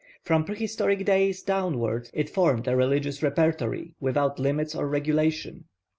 From prehistoric days downward it formed a religious repertory without limits or regulation.